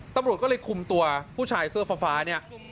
ตำรวจก็เลยคุมตัวผู้ชายเสื้อฟ้าเนี่ย